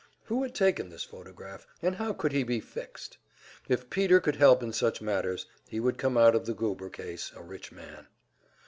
Who had taken this photograph, and how could he be "fixed"? If Peter could help in such matters, he would come out of the Goober case a rich man.